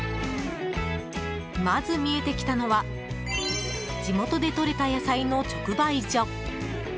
まず見えてきたのは地元でとれた野菜の直売所。